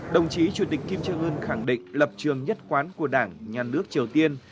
đồng chí chủ tịch kim trương ưn khẳng định lập trường nhất quán của đảng nhà nước triều tiên